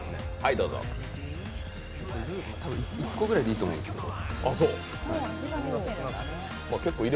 多分１個ぐらいでいいと思うんですけど。